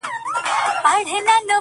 چي غورځي، هغه پرځي.